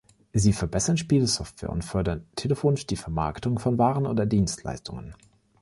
Sie verbessern Spielesoftware und fördern telefonisch die Vermarktung von Waren oder Dienstleistungen.